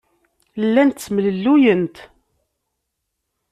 Llant ttemlelluyent.